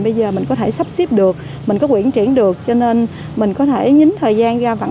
bây giờ mình có thể sắp xếp được mình có quyển triển được cho nên mình có thể nhín thời gian ra